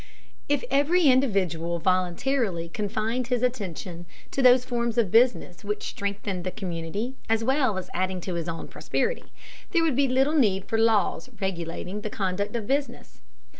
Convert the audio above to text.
If every individual voluntarily confined his attention to those forms of business which strengthened the community as well as adding to his own prosperity, there would be little need for laws regulating the conduct of business.